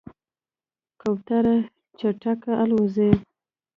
کوتره چټکه الوزي.